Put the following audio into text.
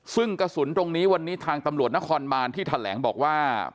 ซึ่งกระสุนตรงนี้วันนี้ทางตำรวจนครบานที่แถลงบอกว่า